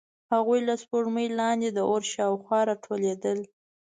هغوی له سپوږمۍ لاندې د اور شاوخوا راټولېدل.